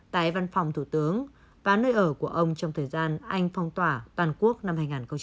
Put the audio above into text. tại văn phòng thủ tướng và nơi ở của ông trong thời gian anh phong tỏa toàn quốc năm hai nghìn một mươi chín